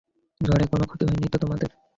ঝড়ে কোনো ক্ষতি হয়নি তো তোমাদের?